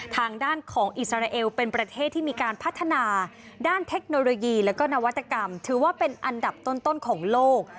ทางด้านของอิสราเอลเป็นประเทศที่มีการพัฒนาด้านเทคโนโลยีและก็นวัตกรรมถือว่าเป็นอันดับต้นของโลก